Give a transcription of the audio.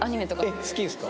えっ好きですか？